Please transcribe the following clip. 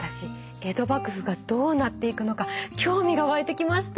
江戸幕府がどうなっていくのか興味が湧いてきました。